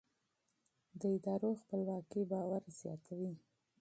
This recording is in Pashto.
د ادارو خپلواکي باور زیاتوي